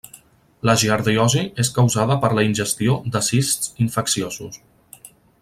La giardiosi és causada per la ingestió de cists infecciosos.